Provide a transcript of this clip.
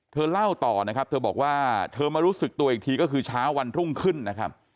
เล่าต่อนะครับเธอบอกว่าเธอมารู้สึกตัวอีกทีก็คือเช้าวันรุ่งขึ้นนะครับ